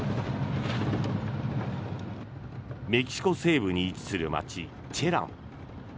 メキシコ西部に位置する街チェラン。